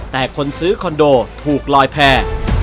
แต่คนซื้อคอนโดถูกลอยแพร่